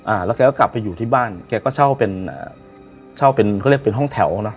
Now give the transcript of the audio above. อ่าแล้วแกก็กลับไปอยู่ที่บ้านแกก็เช่าเป็นอ่าเช่าเป็นเขาเรียกเป็นห้องแถวเนอะ